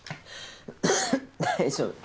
大丈夫。